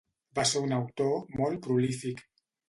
Va ser un autor molt prolífic.